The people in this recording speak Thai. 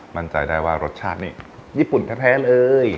มั่นใจได้ว่ารสชาตินี่ญี่ปุ่นแท้เลย